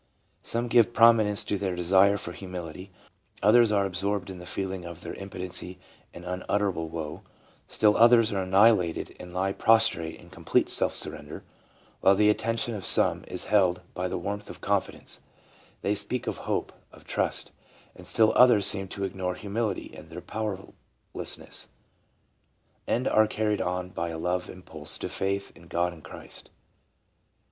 Some give prominence to their desire for humility ; others are absorbed in the feeling of their impotency and unutterable woe ; still others are annihilated and lie pros trate in complete self surrender, while the attention of some is held by the warmth of confidence, — they speak of hope, of trust ; and still others seem to ignore humility and their pow erlessness, and are carried on by a love impulse to faith in God and Christ.